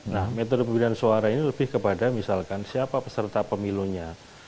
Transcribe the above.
nah metode pemilihan suara ini lebih kepada misalkan siapa peserta pemilunya